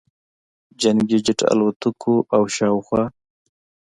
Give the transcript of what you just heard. جنګي جټ الوتکو او شاوخوا